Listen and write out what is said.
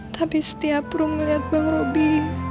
tapi setiap rum ngeliat bang robi